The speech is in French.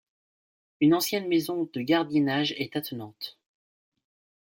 Une ancienne maison de gardiennage est attenante.